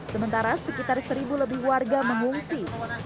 sementara sekitar seribu lebih warga mengungsi